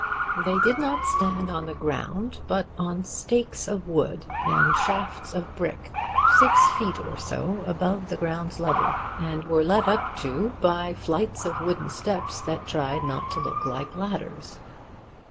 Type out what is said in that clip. They did not stand on the ground, but on stakes of wood and shafts of brick, six feet or so above the ground's level, and were led up to by flights of wooden steps that tried not to look like ladders.